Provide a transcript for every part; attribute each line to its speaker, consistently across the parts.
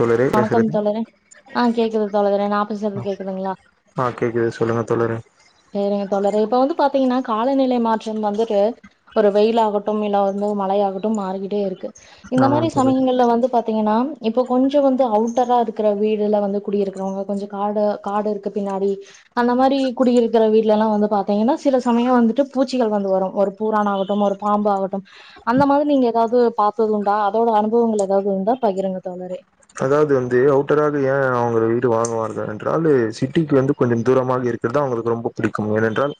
Speaker 1: தோழரே
Speaker 2: வணக்கம்
Speaker 1: பேசுறது
Speaker 2: தோழரே ஆ கேக்குது தோழரே நா பேசுறது கேக்குதுங்களா
Speaker 1: ஆ கேக்குது சொல்லுங்க தோழரே
Speaker 2: செரிங்க தோழரே இப்ப வந்து பாத்தீங்கன்னா காலநிலை மாற்றம் வந்துட்டு ஒரு வெயில்லாகட்டும் இல்ல வந்து மழையாகட்டும் மாறிக்கிட்டே இருக்கு இந்த மாரி
Speaker 1: ஆமாம் தோழர்
Speaker 2: சமையங்கல்ல வந்து பாத்தீங்கன்னா இப்போ கொஞ்சோ வந்து அவுட்டரா இருக்குற வீடுல வந்து குடியிருக்குறவங்கோ கொஞ்சோ காடா காடு இருக்கு பின்னாடி அந்த மாரி குடியிரு இருக்கற வீட்டுல எல்லா வந்து பாத்தீங்கன்னா சில சமயம் வந்துட்டு பூச்சிகள் வந்து வரோ ஒரு பூரானாகட்டும் ஒரு பாம்பாகட்டும் அந்த மாரி நீங்க ஏதாது பாத்ததுண்டா அதோட அனுபவங்கள் ஏதாது இருந்தா பகிருங்க தோழரே
Speaker 1: அதாவது வந்து அவுட்டராக ஏயா அவுங்க வீடு வாங்குவார்கள் என்றால் சிட்டிக்கு வந்து கொஞ்சம் தூரமாக இரு இருக்குறது அவுங்களுக்கு ரொம்ப புடிக்கும் ஏனென்றால்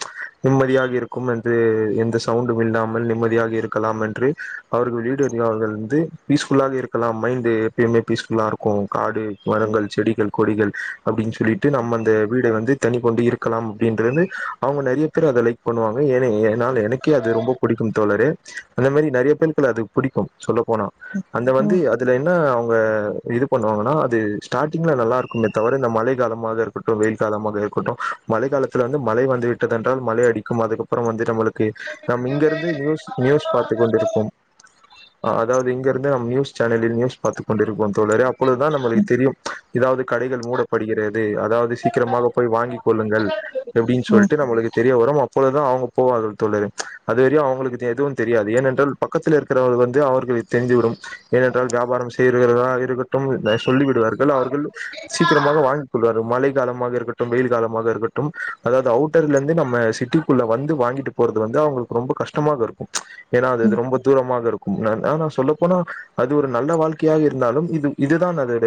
Speaker 1: நிம்மதியாக இருக்கும் என்று எந்த சவுண்டும் இல்லாமல் நிம்மதி யாக இருக்கலாம் என்று அவர்கள் வீடு அதிகோ அவர்கள் வந்து பீஸ்ஃபுல்லாக இருக்கலாம் மைண்டு எப்பயுமே பீஸ்ஃபுல்லா இருக்கும் காடு மரங்கள் செடிகள் கொடிகள் அப்டின்னு சொல்லிட்டு நம்ம அந்த வீட வந்து தனி கொண்டு இருக்கலாம் அப்டின்றது வந்து அவுங்க நெறைய பேர் அத லைக் பண்ணுவாங்க என்னா நா இல்ல எனக்கே அது ரொம்ப புடிக்கும் தோ ழரே அந்த மாரி நெறைய பேருக்கு அது புடிக்கும் சொல்ல போனா அந்த வந்து
Speaker 2: ம்
Speaker 1: அதுல என்ன அவுங் க இது பண்ணுவாங்கன்னா அது ஸ்டாடிங்ல நல்லா இருக்குமே தவிர இந்த மழை காலமாக இருக்கட்டும் வெயில் காலமாக இரு கட்டும் மழைக்கலத்தில வந்து மழை வந்து விட்டது என்றால் மழை அடிக்கும் அதுக்கப்றம் வந்து நம்மளுக் கு நம்ம இங்கருந்து நியூஸ் நியூஸ் பாத்துக் கொண்டிருப்போம் அதாவது இங்கருந்து நாம் நியூஸ் சேனலில் நியூஸ் பாத்து கொண்டிருப்போம் தோழரே அப்பொழுதுதான் நம்மளுக்கு தெரியும் ஏதாவது கடைகள் மூடப்படுகிறது அதாவது சீக்கிரமாக போய் வாங்கிக் கொள்ளுங்கள் அப்டின்
Speaker 2: ம்
Speaker 1: சொல்லிட்டு நம்மளுக்கு தெரிய வரும் அப்போழுதான் அவுங்க போவார்கள் தோழரே அதுவெரையு அவுங்களுக்கு தெ எதுவும் தெரியாது ஏனென்றால் பக்கத்தில் இருக்கிறவர்கள் வந்து அவர்களுக்கு தெரிந்துவிடும் ஏனென்றால் வியாபாரம் செய்ரவராக இருக்கட்டும் அத சொல்லிவிடுவார்கள் அவர்கள் சீக்கிரமாக வாங்கிக் கொள்வார்கள் மழை காலமாக இருக்கட் ட்டும் வெயில் காலமாக இருக்கட்டும் அதாவது அவுட்டர்ல இருந்து நம்ம சிட்டிக்குள்ள வந்து வாங்கிட்டு போறது வந்து அவுங்களுக்கு ரொம்ப கஷ்டமாக இருக்கும் ஏன்னா அது
Speaker 2: ம்
Speaker 1: அது ரொம்ப தூரமாக இருக்கும் நான் நா சொல்லப்போனா அது ஒரு நல்ல வாழ்க் கையாக இருந்தாலும் இது இது தான் அதோட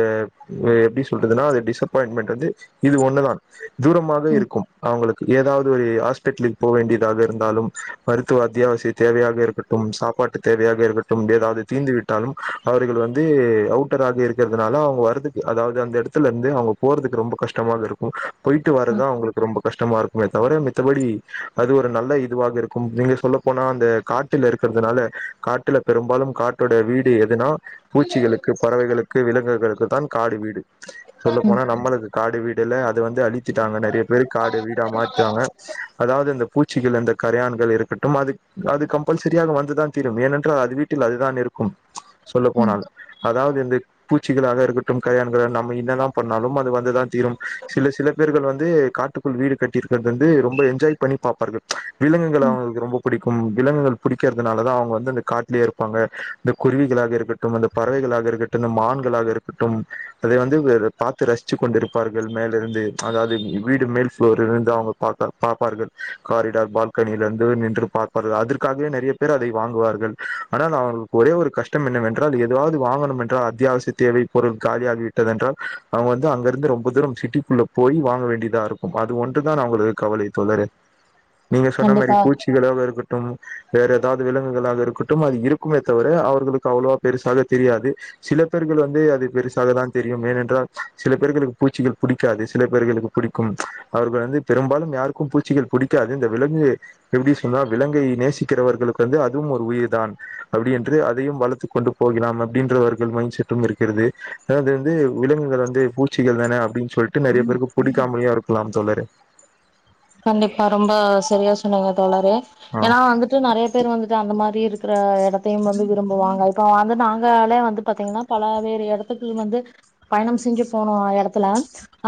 Speaker 1: அ எப்டி சொல்றதுன்னா டிசப்பாயிண்மெண்ட் இன்றது இது ஒன்னுதான் தூரமாக
Speaker 2: ம்
Speaker 1: இருக்கும் அவுங்களுக் ஏதாவது ஒரு ஹாஸ்பிட்டலுக்கு போக வேண்டியதாக இருந்தாலும் மருத்துவ அத்தியாவசிய தேவையாக இருக்கட்டும் சா பாட்டு தேவையாக இருக்கட்டும் ஏதாவது தீந்துவிட்டாலும் அவர்கள் வந்து து அவுட்டராக இருக்கறதுனாலோ அவுங்க வர்றதுக்கு அதாவது அந்த எடத்துல இருந்து அவுங்க போறதுக்கு ரொம்ப கஷ்டமாக இருக்கும் போயிட்டு வறதான் அவுங்களுக்கு ரொம்ப கஷ்டமா இருக்குமே தவிர மித்தபடி அது ஒரு நல்ல இதுவாக இருக்கும் நீங்க சொல்ல போனா அந்த காட்டுல இருக்கறதுனால காட்டுல பெரும்பாலும் காட்டோட வீடு எதுனா பூச்சிகளுக்கு பறவைகளுக்கு விலங்குகளுக்கு தான் காடு வீடு சொல்ல போனா நம்மளுக்கு காடு வீடு இல்ல அது வந்து அழிச்சிட்டாங்க நெறைய பேர் காடு வீடா மாத்டாங்க அதாவது அந்த பூச் பூச்சிகள் அந்த கரையான்கள் இருக்கட்டும் அது அது கம்பல்சரியாக வந்துதான் தீரும் ஏனென்றால் அது வீட்டில் அதுதான் இருக் கும் சொல்ல
Speaker 2: ம்
Speaker 1: போனால் அதாவது இந்த பூச்சிகளா அதா இருக்கட்டு கல்யாண [unintelligible] நம்ம இன்னதா பண்ணாலும் அது வந்து தா தீரும் சில சில பேர்கள் வந்து காட்டுக்குள் வீ டு கட்டீர்க்கறத் வந்து ரொம்ப என்ஜாய் பண்ணி பாப்பார்கள் விலங்குகள்
Speaker 2: ம்
Speaker 1: அவங்கள்க்கு ரொம்ப பிடி கும் விலங்குகள் புடிக்கறதுனால தா அவங்க வந்து அந்த காட்லயே இருப்பாங்க இந்த குருவிகளாக இருக்கட்டும் அந்த பறவைகளாக இருக்கட்டும் இந்த மான்களாக இருக்கட்டும் அதை வந்து இவரு பாத்து ரசிச்சு கொண்டிருப்பார்கள் மேல இருந் து அதாவ்து வீடு மேல் ஃப்ளோரிலிர்ந்து அவங்க பார்ப்ப பாப்பார்கள் காரிடார் பால்கனியிலிர்ந்து நி ன்று பார்ப்பார்கள் அதுற்காகவே நெறிய பேர் அதை வாங்குவார்கள் ஆனால் அவங்ள்க் ஒரே ஒரு கஷ்டம் என்னவென்றால் எ தாவ்து வாங்கணும் என்றால் அத்யாவசிய தேவை பொருள் காலியாகிவிட்டதென்றால் அவங்க வந்து அங்கிருந்து ரொம்ப தூரம் சிட்டி குள்ள போய் வாங்க வேண்டியதா இருக்கும் அது ஒன்று தான் அவங்களுக் கவலை தோழரே நீங்க சொன்ன மாரி
Speaker 2: கண்டிப்பா
Speaker 1: பூச்சிகளாக இருக்கட்டும் வேற ஏதாவது விலங்குகளாக இருக்கட்டும் அது இருக்குமே தவுர அவர்களுக்கு அவ்ளோ பெரு சாக தெரியாது சில பேர்கள் வந்து அது பெருசாக தான் தெரியும் ஏனென்றால் சில பேர்களுக்கு பூச்சிகள் புடிக் காது சில பேர்களுக்கு பிடிக்கும் அவர்கள் வந்து பெரும்பாலும் யாருக்கும் பூச்சிகள் புடிக்காது இந்த விலங்கு இ ப்டி சொன்னா விலங்கை நேசிக்கறவர்களுக் வந்து அதுவும் ஒரு உயிர் தான் அப்டி என்று அதையும் வளத்துக் கொண்டு போகிலாம் அப்டின்றவர்கள் மைண்ட் செட்டும் இருக்கிறது அதாவ்து வந்து விலங்குகள் வந்து பூச்சிகள் தான அப்டி சொல்ட்டு நெறைய பேருக்கு புடிக்காமலியா இருக்கலாம் தோழரே
Speaker 2: கண்டிப்பா ரொம்ப செரியா சொன்னீங்க தோழரே
Speaker 1: ஆ
Speaker 2: ஏன்னா வந்துட்டு நெறைய பேர் வந்துட்டு அந்த மாரி இருக் கற எடத்தையும் வந்து விரும்புவாங்கள் இப்ப வந்து நாங்களே வந்து பாத்தீங்கன்னா பல வேறு எடத்துக்கு வந்து பயணம் செஞ்சு போனோ எடத்துல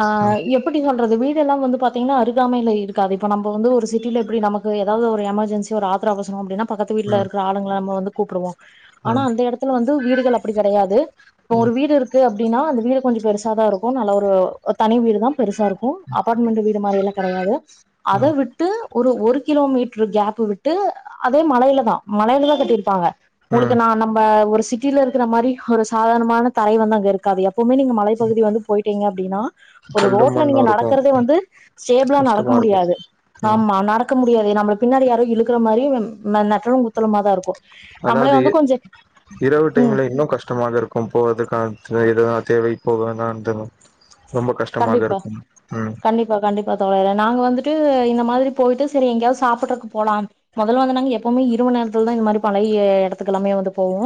Speaker 2: ஆ
Speaker 1: ம்
Speaker 2: எப்புடி சொல்றது வீடெல்லா வந்து பாத்தீங்கனா அருகாமைல இருக்காது இப்ப நம்ப வந்து ஒரு சிட்டில எப்டி நமக்கு ஏதாவ்து ஒரு எமர்ஜன்சி ஒரு ஆத்தரோ அவசரோ அப்டினா பக்கத்து வீட்ல
Speaker 1: ம்
Speaker 2: இருக்கற ஆளுங்கள நம்ம வந்து கூப்புடுவோ ஆனா
Speaker 1: ம்
Speaker 2: அந்த எடத்துல வந்து வீடுகள் அப்டி கெடையாது இப்ப
Speaker 1: ம்
Speaker 2: ஒரு வீடு இருக்கு அ ப்டின்னா அந்த வீடு கொஞ்ச பெருசா தா இருக்கு நல்ல ஒரு தனி வீடு தா பெருசா இருக்கு அபார்ட்மெண்டு வீடு மாரி எல்லா கெடையாது அத
Speaker 1: ம்
Speaker 2: விட்டு ஒரு ஒரு கிலோ மீட்ரு கேப்பு விட்டு அதே மலைல தா மலைலயு கட்டிருப்பாங்க உங்களுக்கு
Speaker 1: ம்
Speaker 2: நா நம்ம ஒரு சிட்டில இருக்கற மாரி ஒரு சாதாரணமான தரை வந்து அங்க இருக்காது எப் பவுமே நீங்க மலைப்பகுதி வந்து போய்ட்டீங்க அப்டினா ஒரு
Speaker 1: கரண்டு
Speaker 2: ரோட்ல
Speaker 1: மண்ணு
Speaker 2: நீங்க
Speaker 1: இருக்கு
Speaker 2: நடக்கறதே வந்து ஸ்டேபிளா நடக் க
Speaker 1: கஷ்டமா இருக்கு
Speaker 2: முடியாது
Speaker 1: ம்
Speaker 2: ஆமா நடக்க முடி யாது நம்மள பின்னாடி யாரோ இழுக்கற மாரி யம் அ நெட்டலு குத்தலமா தா இருக்கு நம்மளே
Speaker 1: அதாவது
Speaker 2: வந்து
Speaker 1: இ
Speaker 2: கொஞ்ச
Speaker 1: இரவு
Speaker 2: ம்
Speaker 1: டைம்ல இன்னு கஷ்டமாக இருக்கும் போறதுக்கான் அ எதுனா தேவை போக வேணா [unintelligible] ரொம்ப கஷ்டமாக
Speaker 2: கண்டிப்பா
Speaker 1: இருக்கும் ம்
Speaker 2: [unintelligible] நாங்க வந்துட்டு இந்த மாதிரி போய்ட்டு செரி எங்கயாவ்து சாப்பட்றக்கு போலாம் மொதல் வந்து நாங்க எப்பவுமே இர வு நேரத்துல தா இந்த மாரி பழைய எடத்துக்கெல்லாமே வந்து போவோ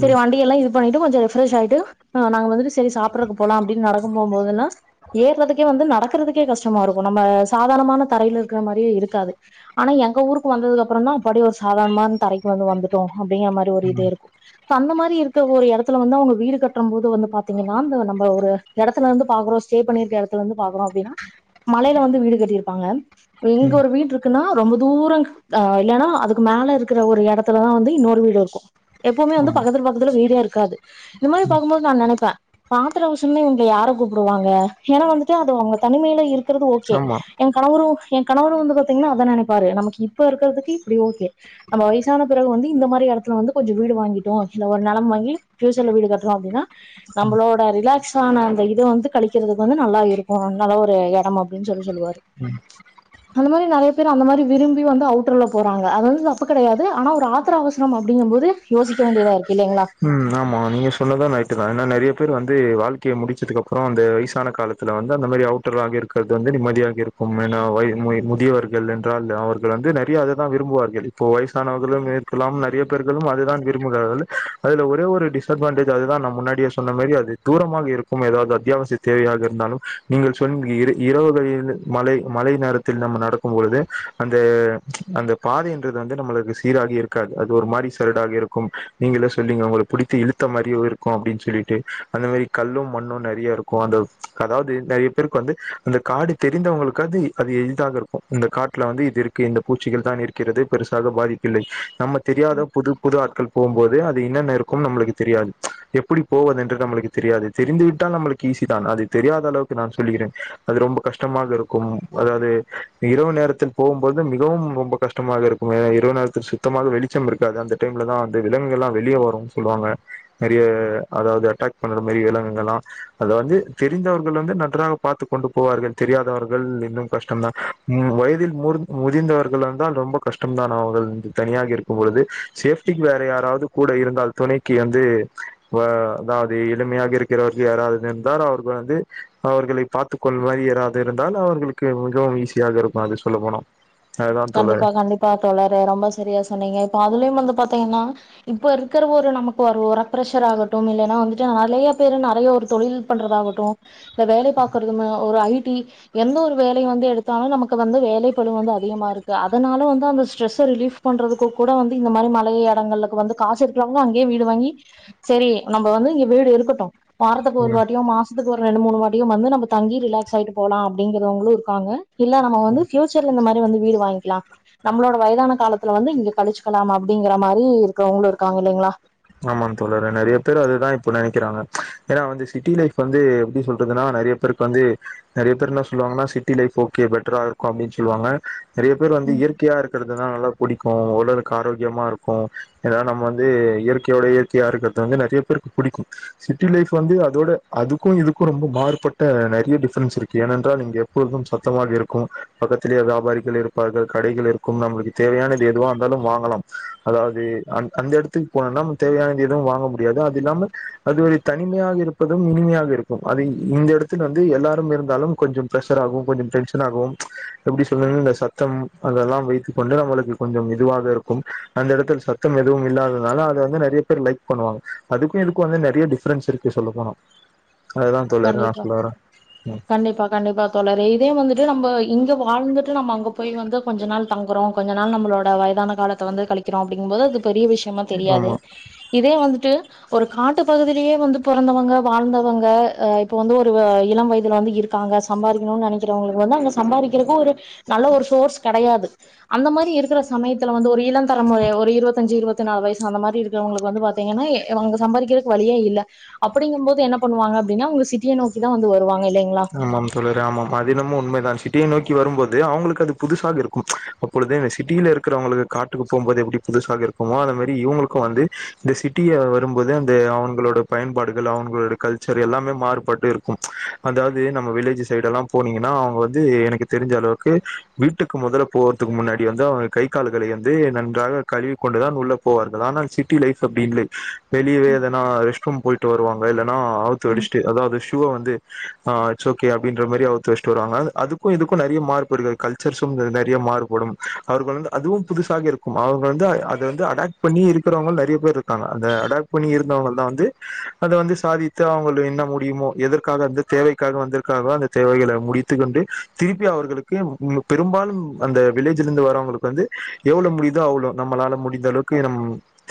Speaker 2: செரி
Speaker 1: ம்
Speaker 2: வண்டி எல்லா இது பண்ணிட்டு கொஞ்ச ஃப்ரஷ் ஆயிட்டு அ நாங்க வந்துட்டு செரி சாப்பட்றக்கு போலா அப்டின் நடக்க போ போதெல்லா ஏர்றதுக்கே வந்து நடக்கறதுக்கே கஷ்டமா இருக்கு நம்ம சாதாரணமான தரைலிருக்கற மாரியே இருக்காது ஆ னா எங்க ஊருக்கு வந்ததுக்கப்பறோ தா அப்பாடி ஒரு சாதாரணமான் தரைக் வந்து வந்துட்டோ அப்டிங்கற மாரி ஒரு இதே
Speaker 1: ம்
Speaker 2: இருக்கு அந்த மாரி இருக்க ஒரு எடத்துல வந்து அவுங்க வீடு கட்றம் போது வந்து பாத்தீங்கன்னா இந்த நம்ப ஒரு எடத்துலருந்து பாக்கறோ ஸ்டே பண்ணிருக்க எடத்துலர்ந்து பாக்கறோ அப்டின்னா மலைல வந்து வீடு கட்டிருப்பாங்க இங்க
Speaker 1: ம்
Speaker 2: ஒரு வீடுருக் குன்னா ரொம்ப தூரங் ஆ இல்லைனா அதுக்கு மேல இருக்கற ஒரு எடத்துல தா வந்து இன்னோரு வீடு இருக்கு எப்பவுமே வந்து
Speaker 1: ஆமா
Speaker 2: பக்கத்துல பக்கத்துல வீடே இருக் காது இந்த மாரி
Speaker 1: ம்
Speaker 2: பாக்கும்போது நா நெனைப்பே ஆத்தரோ அவசர்ன்னா இவுங்க யார கூப்புடுவாங் க ஏன்னா வந்துட்டு அது அவங்க தனிமைல இருக்கறது ஓகே
Speaker 1: ஆமா
Speaker 2: எங்கணவுரு எ கணவரு வந்து பாத்தீங்ன்னா அத நெனைப்பாரு நமக்கு இப்ப இருக்கறதுக்கு இப்டி ஓகே நம்ம வயசான பிறகு வந்து இந்த மாரி எடத் துல வந்து கொஞ்சோ வீடு வாங்கிட்டோ இல்ல ஒரு நெலம் வாங்கி ஃபியூச்சர்ல வீடு கட்றோ அப்டின்னா நம்மளோட ரிலாக்ஸ் ஆனா அந்த இத வந்து கழிக்கறதுக்கு வந்து நல்லா இருக்கு நல்ல ஒரு எடம் அப்டின் சொல்லி சொல்லுவாரு அந்த மாரி நெறைய பேர் அந்த மாரி விரும்பி வந்து அவுட்டர்ல போறாங்க அது வந்து தப்பு கெடையாது ஆனா ஒரு ஆத்தரோ அவச ரோ அப்டிங்கும் போது யோசிக்க வேண்டியதா இருக்
Speaker 1: ம் ஆமா நீங்க சொன்னது ரைட்டு தா ஏன்னா நெறிய பேர் வந்து வாழ்க்கைய முடிச்சதுக்கப்றோ அந்த வயசான காலத்துல வந்து அந்த மாரி அவுட்டர் லாங் இருக்கறது வந்து நிம்மதியாக இருக் [unintelligible] முதியவர்கள் என்றால் அவர்கள் வந்து நெறைய அதை தா விரும்புவார்கள் இப்போ வயசானவர்களுமே இருக்கலா நெறைய பேர்களும் அதுதா விரும்புறார்கள் அதுல ஒரே ஒரு டிஸ்அட்வான்டேஜ் அதுதா நா முன்னாடியே சொன்ன மாரி அது தூரமாக இருக்கு ஏதாவது அத்தியாவசிய தேவையாக இருந் இருந்தாலு நீங்கள் சொன்னிங் இரவுகளில் மழை மழை நேரத்தில் நம்ம நடக்கும்பழுது அந்த அந்த பாதை என்றது வந்து நம்மளுக்கு சீராகி இருக்காது அது ஒரு மாரி சரடாக இருக்கு நீங்க சொ ல்லிங்க உங்களுக்கு பிடித்த இழுத்த மாரியு இருக்கு அப்படின்னு சொல்லிட்டு அந்த மாரி கல்லு மண்ணு நெறைய இருக்கு அந்த அதாவது நெறைய பேருக்கு வந்து அந்த காடு தெரிந்தவங்களுக்காது அது எதாக இருக்கு இந்த காட்டுல வந்து இதுருக் இந்தப் பூச்சிகள் தா இருக்கிறது பெருசாக பாதிப்பில்லை நம்ம தெரியாத புது புது ஆட்கள் போம்போது அது என்னன்னெருக்கு நம்மளுக்கு தெரியாது எப்படி போவது என்று நம்மளுக்கு தெரியாது தெரிந்துவிட்டால் நளுக்கு ஈசி தா அது தெரியாத அளவுக்கு நான் சொல்லகிறேன் அது ரொம்ப கஷ்டமாக இருக்கும் அதாவது இரவு நேரத்தில் போகும்போது மிகவும் ரொம்ப கஷ்டமாக இருக்கு இருரவு நேரத்தில் சுத்தமாக வெளிச்சம் இருக்காது அந்த டைம்ல தான் அந்த விலங்குகல்லா வெளியே வரும் சொல்லுவாங்க நெறைய அதாவது அட்டாக் பண்ற மாதிரி விலங்கல்லாம் அத வந்து தெ முந்தவர்கள் வந்து நன்றாக பார்த்துக் கொண்டு போவார்கள் தெரியாதவர்கள் இன்னும் கஷ்டம்தான் வயதில் ம் மூர்த் முதிந்தவர்கள் இருந்தால் ரொம்ப கஷ்டம் தான் அவர்கள் தனியாக இருக்கும் பொழுது சேஃப்டிக்கு வேற யாரா கூட இருந்தால் துணைக்கு வந்து வ அதாவது இளமையாக இருக்கிறவர்கள் யாராவது இருந்தால் அவர்கள் வந்து அவர்களை பார்த்துக்கொள் மாறி யாராது இருந்தால் அவர்களு மிகவும் ஈஸியாக இருக்கு அது சொல்ல போனா அதுதா தோழர்
Speaker 2: கண்டிப்பா கண்டிப்பா தோழரே ரொம்ப சரியா சொன்னீங்க இப்ப அதுலயும் வந்து பாத் தேன்னா இப்ப இருக்கிற ஒரு நமக்கு ஒரு உர பிரிரஷர் ஆகட்டு இல்லன்னா வந்துட்டு நெறைய பேர் நெறைய ஒரு தொழில் பண்றதாகட்டு இல்ல வேலை பாக்கறது ஒரு ஐ டி எந்த ஒரு வேலயு வந்து எடுத்தாலு நமக் கு வந்து வேலைப்பளு வந்து அதிகமா இருக்கு அதனால வந்து அந்த ஸ்ட்ரெஸ்ஸ ரிலீஃப் பண்றதுக்கு கூட வந்து இந்த மாரி மலைய எடங்களுக்கு வந்து காசு இருக்கிறவங்க அங்கேயே வீடு வாங்கி சரி நம்ம வந்து இங்க வீடு இருக்கட்டு வாரத்துக்கு ஒரு
Speaker 1: ம்
Speaker 2: வாட்டியு மாசத்துக்கு ஒரு ரெண்டு மூணு வாட்டிய வந்து நம்ம தங்கி ரிலாக்ஸ் ஆகிட்டு போலா அப்படிங்கிறவங்களு இருக்காங்க இல்ல நம் வந்து பியூச்சர்ல இந்த மாரி வந்து வீடு வாங் லா நம்மளோட வயதான காலத்துல வந்து இங்க கழிச்சுக்கலாம் அப்படிங்கிற மாரி இருக்கிறவங்களு இருக்காங்க இல்லைங்களா
Speaker 1: ஆமா தோழரே நெறைய பேர் அதுதா இப்ப நெனைக்கிறாங்க ஏன்னா வந்து சிட்டி லைஃப் வந்து எப்டி சொல்றதுன்னா நெறைய பேருக்கு வந்து நெறைய பேர் என்ன சொல்லுவாங்கன்னா சிட்டி லைஃப் ஓகே பெட்டரா இருக்கு அப்படின்னு சொல்லுவாங்க நெறைய பேர் வந்து
Speaker 2: ம்
Speaker 1: இயற்கையா இருக்கிறதுனா நல்ல புடிக்கும் உடலுக்கு ஆரோக்கியமா இருக்கு ஏன்னா நம்ம வந்து இயற் கையோட இயற்கையா இருக்கிறது வந்து நெறைய பேருக்கு பிடிக்கு சிட்டி லைப் வந்து அதோட அதுக்கு இதுக்கு ரொம்ப மாரு பட்ட நெறைய டிஃரன்ஸ் இருக்கு ஏனென்றால் இங்க எப்பொழுது சத்தமாக இருக்கும் பக்கத்திலே வியாபாரிகள் இருப்பார்கள் கடைகள் இருக்கும் நம்மளுக்கு தேவையானது எதுவ இருந்தாலும் வாங்கலாம் அதாவது அந் அந்த எடத்துக்கு போன ந தேவையானது எதுவும் வாங்க முடியாது அது இல்லாமல் அது ஒரு தனிமையாக இருப்பதும் இனிமையாக இருக்கும் அது இந்த இடத்தில் வந்து எல்லாரும் இருந்தாலும் கொஞ்சம் பிரெஷர் ஆகும் கொஞ்ச டென்ஷன் ஆகும் எப்டி சொல்ல இந்த சத்தம் அதெல்லாம் வைத்துக்க கொண்டு நம்மளுக்கு கொஞ்சம் இதுவாக இருக்கும் அந்த இடத்தில் சத்தம் எதுவும் இல்லாதனால அது வந்து நெ றைய பேர் லைக் பண்ணுவாங்க அதுக்கு இதுக்கு வந்து நெ றைய டிஃப்ரன்ஸ் இருக்கு சொல்ல போனா அதுதான் தோழரே நான்
Speaker 2: கண்டிப்பா
Speaker 1: சொல்ல வரேன்
Speaker 2: கண்டிப்பா கண்டிப்பா தோழரே இதே வந்துட்டு நம்ம இங்க வாழ்ந்துட்டு நம்ம அங்க போய்ந்து கொஞ்ச நாள் தங்குறோ கொஞ்ச நாள் நம்மளட வயதான காலத்த வந்து களிக்கிறோ அப்படிங்கும்போது அது பெரிய விஷ் மா தெரியாது
Speaker 1: ஆமா
Speaker 2: இதே வந்துட்டு ஒரு காட்டு பகுதியிலயே வந்து பொறந்தவங்க வாழ்ந்தவங்க அ இப்ப வந்து ஒரு இளம் வயதில வந்து இருக்காங்க சம்பாதிக்கணும்னு நெனைக்கிறவங்களுக்கு வந்து அங்க சம்பாதிக்கிறதுக்கு ஒரு ல ஒரு சோர்ஸ் கெடையாது அந்த மாரி இருக்கிற சமயத்தில் வந்து ஒரு இள தரமுறை ஒரு இருவத்திஞ்சு இருவத்தி நாலு வயசு அந்த மாரி இருக்கிறவங்களுக்கு வந்து பாத்தீங்கன்னா அவங்க சம்பாதிக்கிறதுக்கு வழியே இல்ல அப்படிங்கும் போது என்ன பண்ணுவாங்க அப்டினா உங்க சிட்டியநோக்கி தா வந்து வருவங்க
Speaker 1: ஆமாம் தோழரே ஆமாம் அது என்னமோ உண்மைதான் சிட் டிய நோக்கி வரும்போது அவங்களுக்கு அது புதுசாக இருக்கும் அப்பொழுது சிட்டியில் இருக்கிறவங்களுக்கு காட்டுக்கு போம்போது எப்படி புது சாக இருக்குமோ அது மாரி இவங்களுக்கு வந்து இந்த சிட்டிய வரும்போது அந்த அவனுங்கோளட பயன்பாடுகள் அவனு களோட கல்ச்சர் எல்லாமே மாறுபட்டு இருக்கும் அதாவது நம்ம வில்லேஜ் சைடெல்லாம் போனீங்கன்னா அவங்க வந்து எனக்கு தெரிஞ்ச அளவுக்கு வீட்டுக்கு முதல்ல போற க்கு முன்னாடி வந்து அவங்க கை கால்களை வந்து நன்றாக கழுவி கொண்டுதான் உள்ள போவார்கள் ஆனால் சிட்டி லைஃப் அப்படி இல்லை வெளியவே எதனா ரெஸ்ட் ரூம் போயிட்டு வருவாங்க இல்லன்னா ஆவுத்து
Speaker 2: ம்
Speaker 1: அடிச்ட்டு அதாவது ஷூவ வந்து அ இட்ஸ் ஓகே அப்டின்ற மாரி அவுத்து வச்ட்டு வருவாங்க அதுக்கு இதுக்கு நறைய மாறுபடுக கல்ச்சர்ஸ்ர்ம் நிறைய மாறுபடும் அவர்கள் வந்து அதுவும் புதுசாக இருக்கும் அவர்கள் வந்து அது வந்து அடாக் பண்ணி இருக்கிறவங்க நிறைய பேர் இருக் காங்க அந்த அடாக் பண்ணி இருந்தவங்கள் தா வந்து அத வந்து சாதித்து அவங்கள்து என்ன முடியுமோ எதிர் காக அந்த தேவைக்காக வந்ருக்காக அந்த தேவைகள முடித்து கொண்டு திருப்பி அவர்களுக்கு பெரும்பாலும் அந்த வில்லேஜ்ல இருந்து வரவங்களுக்கு வந்து எவ்வள முடியுதோ அவ்ளோ நம்மளால முடிந்த அளவுக்கு நம்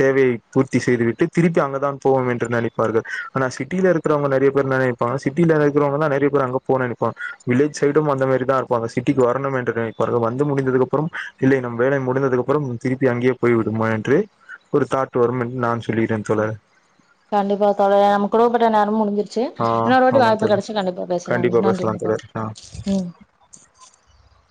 Speaker 1: தேவை பூர்த்தி செய்துவிட்டு திருப்பி அங்கதான் போவோம் என்று நினைப்பார்கள் ஆனா சிட்டியில இருக்கிறவங்க நறைய பேர் என்ன நினை பாங்க சிட்டில இருக்கிறவங்க தா நறைய பேர் அங்க போ நெனைப்பாங்க வில்லஜ் சைடும் அந்த மாரிதா இருப்பாங்க சிட்டிக்கு வரணும் என்று நினை ப்பார்கள் வந்து முடிந்ததுக்கப்றம் இல்லை நம் வேலை முடிந்ததுக்கப்றம் திருப்பி அங்கே போய் விடுமா என்று ஒரு தாட் வரும் என்று நான் சொல்லுகிறேன் தோழர்
Speaker 2: கண்டிப்பா தோழர் நமக்கு குடுக்கப்பட்ட நேரம் முடிஞ்சு ச்சு
Speaker 1: ஆ
Speaker 2: இன்னொரு வாட்டி
Speaker 1: ஆமா தோழர்
Speaker 2: வாய்ப்பு கெடைச்சா கண்டிப்பா பேசலாங்
Speaker 1: கண்டிப்பா
Speaker 2: நன்றிங்
Speaker 1: பேசலாம்
Speaker 2: தோழர்
Speaker 1: ஆ
Speaker 2: ம் [inaudible]